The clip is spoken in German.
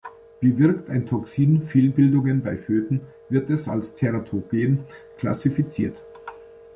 Bewirkt ein Toxin Fehlbildungen bei Föten, wird es als Teratogen klassifiziert.